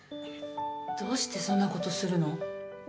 どうしてそんなことするの？